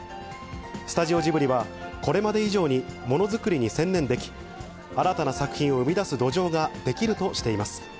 スタジオジブリは、これまで以上にものづくりに専念でき、新たな作品を生み出す土壌が出来るとしています。